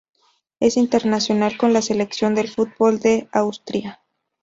Es internacional con la selección de fútbol de Austria.